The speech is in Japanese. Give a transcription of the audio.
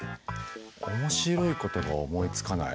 面白いことが思いつかない。